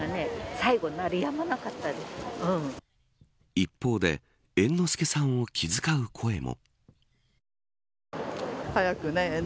一方で猿之助さんを気使う声も。